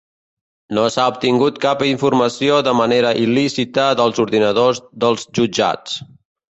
No s'ha obtingut cap informació de manera il·lícita dels ordinadors dels jutjats